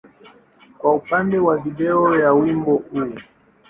kwa upande wa video ya wimbo huu.